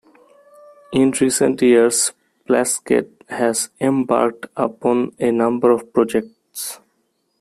In recent years, Plaskett has embarked upon a number of projects.